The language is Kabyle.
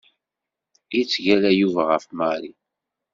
Yettgalla Yuba ɣef Mary.